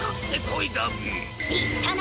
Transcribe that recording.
いったな！